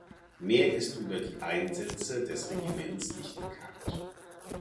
Mehr ist über die Einsätze des Regiments nicht bekannt.